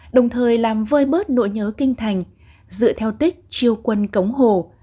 đồng thời làm vơi bớt nỗi nhớ kinh thành dựa theo tích chiêu quân cống hồ